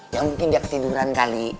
ya mungkin dia ketiduran kali